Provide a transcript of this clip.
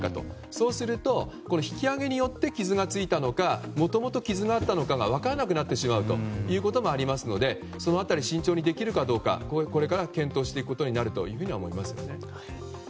そうすると引き揚げによって傷がついたのかもともと傷があったのか分からなくなってしまうということもありますのでその辺り、慎重にできるかこれから検討していくと思います。